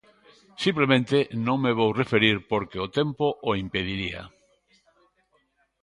Simplemente non me vou referir porque o tempo o impediría.